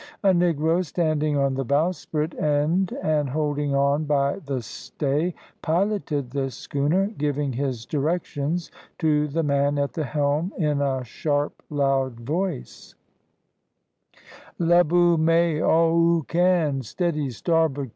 A negro standing on the bowsprit end, and holding on by the stay, piloted the schooner, giving his directions to the man at the helm in a sharp, loud voice "Lub ou may all ou can! steady! starboard.